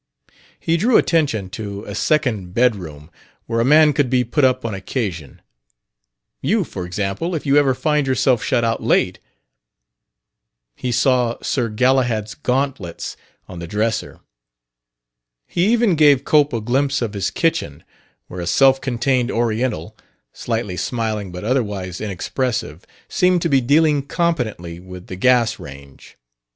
He drew attention to a second bedroom where a man could be put up on occasion: "you, for example, if you ever find yourself shut out late." He saw Sir Galahad's gauntlets on the dresser. He even gave Cope a glimpse of his kitchen, where a self contained Oriental, slightly smiling but otherwise inexpressive, seemed to be dealing competently with the gas range.